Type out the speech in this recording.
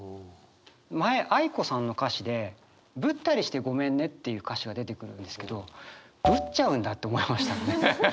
前ａｉｋｏさんの歌詞で「ぶったりしてごめんね」っていう歌詞が出てくるんですけどぶっちゃうんだって思いました。